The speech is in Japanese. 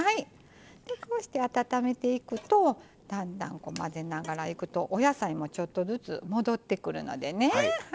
こうして温めていくとだんだん混ぜながらいくとお野菜も、ちょっとずつ戻ってくるのでね。